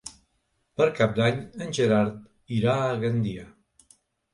Per Cap d'Any en Gerard irà a Gandia.